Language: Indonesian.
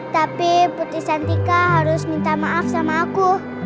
tapi putri santika harus minta maaf sama aku